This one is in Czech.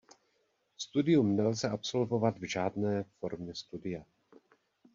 Studium nelze absolvovat v žádné formě studia.